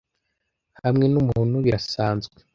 hamwe numuntu birasanzwe